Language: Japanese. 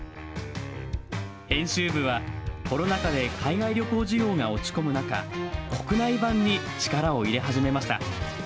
編集部はコロナ禍で海外旅行需要が落ち込む中、国内版に力を入れ始めました。